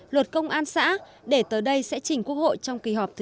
luật công an xã để tới đây sẽ chỉnh quốc hội trong kỳ họp thứ sáu